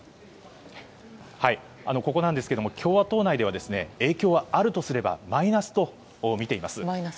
ここなんですけども共和党内では影響はあるとすればマイナスとみています。